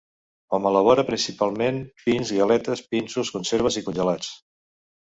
Hom elabora, principalment, vins, galetes, pinsos, conserves i congelats.